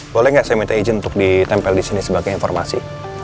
boleh nggak saya minta izin untuk ditempel di sini sebagai informasi